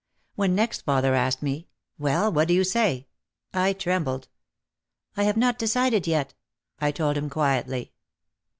When next father asked me, "Well, what do you say?" I trembled. "I have not decided yet," I told him quietly.